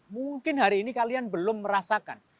mungkin hari ini kalian belum merasakan